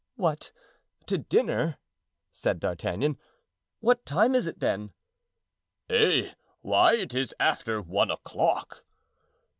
"What! to dinner?" said D'Artagnan. "What time is it, then?" "Eh! why, it is after one o'clock."